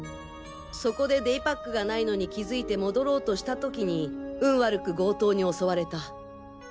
そこでデイパックがないのに気づいて戻ろうとした時に運悪く強盗に襲われた。